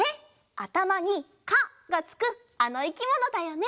あたまに「か」がつくあのいきものだよね！